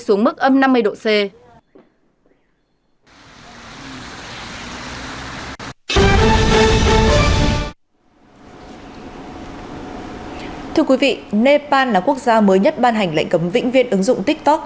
thưa quý vị nepal là quốc gia mới nhất ban hành lệnh cấm vĩnh viên ứng dụng tiktok